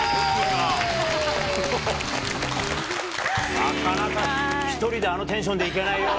なかなか一人であのテンションで行けないよ。